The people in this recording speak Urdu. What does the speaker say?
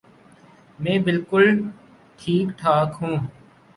میں بالکل ٹھیک ٹھاک ہوں